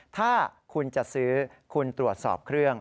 ถ้าคุณจะซื้อคุณตรวจสอบเครื่อง